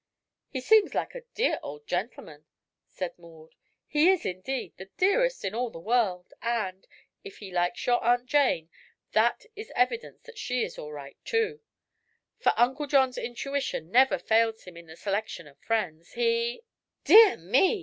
"He seems like a dear old gentleman," said Maud. "He is, indeed, the dearest in all the world. And, if he likes your Aunt Jane, that is evidence that she is all right, too; for Uncle John's intuition never fails him in the selection of friends. He " "Dear me!"